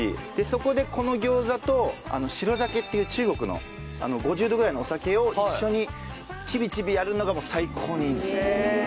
そこでこの餃子と白酒っていう中国の５０度ぐらいのお酒を一緒にチビチビやるのが最高にいいんです